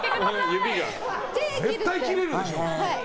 絶対切れるでしょ。